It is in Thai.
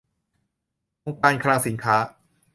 องค์การคลังสินค้า